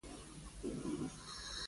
له سترو امپراطوریو یې جګړې ګټلې وې.